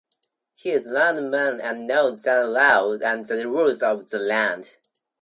He is learned man and knows the law and the rules of the land.